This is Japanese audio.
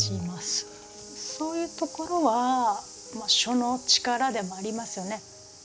そういうところは書の力でもありますよね。